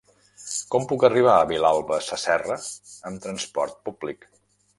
Com puc arribar a Vilalba Sasserra amb trasport públic?